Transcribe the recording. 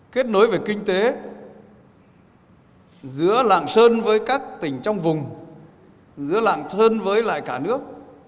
kết nối về kinh tế giữa lạng sơn với các tỉnh trong vùng giữa lạng sơn với lại cả nước